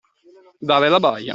Dare la baia.